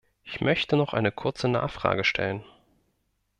Ich möchte noch eine kurze Nachfrage stellen.